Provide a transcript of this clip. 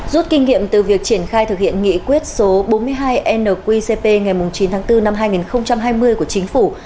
rút kinh nghiệm từ việc triển khai thực hiện nghị quyết số bốn mươi hai nqcp ngày chín tháng bốn năm hai nghìn hai mươi của chính phủ